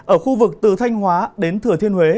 ở khu vực từ thanh hóa đến thừa thiên huế